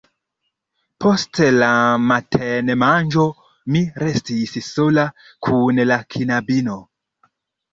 Post la matenmanĝo mi restis sola kun la knabino.